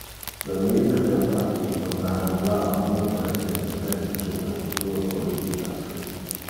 Le leader del partito garrulava multo extensemente super futur politicas.